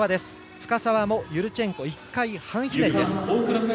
深沢もユルチェンコ１回半ひねりです。